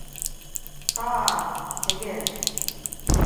Каа, теге...